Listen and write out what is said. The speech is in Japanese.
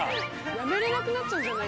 やめれなくなっちゃうんじゃない？